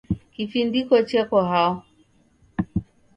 Kifindiko cheko hao?